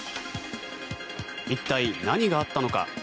一体、何があったのか。